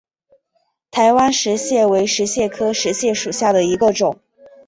台湾石蟹为石蟹科石蟹属下的一个种。